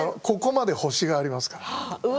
ここまで星がありますから。